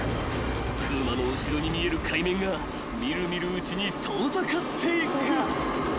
［風磨の後ろに見える海面が見る見るうちに遠ざかっていく］